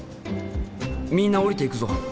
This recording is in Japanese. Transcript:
みんな降りていくぞ！